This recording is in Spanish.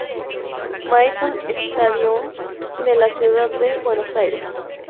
Madison Stadium" de la ciudad de Buenos Aires.